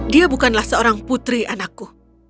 dia bukanlah seorang putri anakku